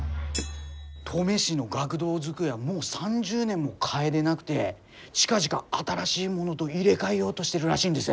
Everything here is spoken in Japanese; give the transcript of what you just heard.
登米市の学童机はもう３０年も替えでなくて近々新しいものど入れ替えようどしてるらしいんです。